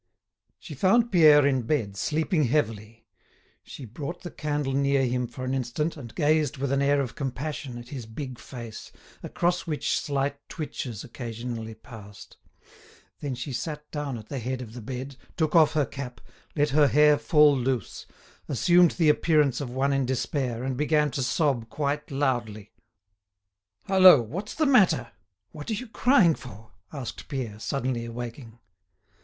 She found Pierre in bed, sleeping heavily; she brought the candle near him for an instant, and gazed with an air of compassion, at his big face, across which slight twitches occasionally passed; then she sat down at the head of the bed, took off her cap, let her hair fall loose, assumed the appearance of one in despair, and began to sob quite loudly. "Hallo! What's the matter? What are you crying for?" asked Pierre, suddenly awaking.